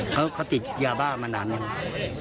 เขาทิศยาบ้ามานานอย่างไร